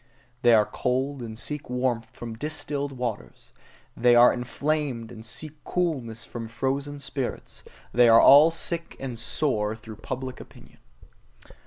They are cold, and seek warmth from distilled waters: they are inflamed, and seek coolness from frozen spirits; they are all sick and sore through public opinion.